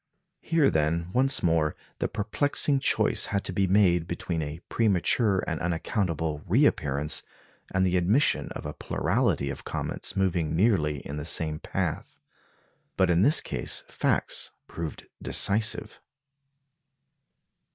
Here, then, once more the perplexing choice had to be made between a premature and unaccountable reappearance and the admission of a plurality of comets moving nearly in the same path. But in this case facts proved decisive.